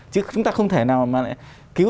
chứ chúng ta không thể nào mà lại cứu